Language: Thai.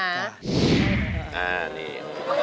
อ่านี่